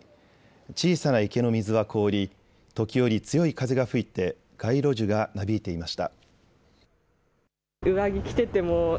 小さな池の水は凍り時折強い風が吹いて街路樹がなびいていました。